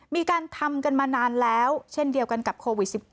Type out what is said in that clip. มีการทำกันมานานแล้วเช่นเดียวกันกับโควิด๑๙